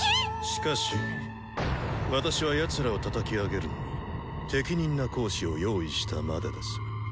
しかし私はやつらをたたき上げるのに適任な講師を用意したまでです。